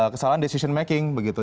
kesalahan decision making begitu